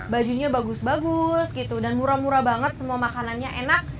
bajunya bagus bagus gitu dan murah murah banget semua makanannya enak